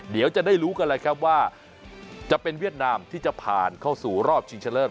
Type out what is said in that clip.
เดี๋ยวจะได้รู้กันเลยครับว่าจะเป็นเวียดนามที่จะผ่านเข้าสู่รอบชิงชะเลิศ